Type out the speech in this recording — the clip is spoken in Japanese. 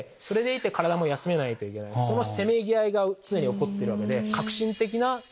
そのせめぎ合いが常に起こってるわけで。